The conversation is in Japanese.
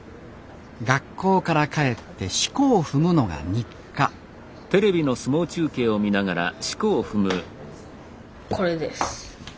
学校から帰ってしこを踏むのが日課これです。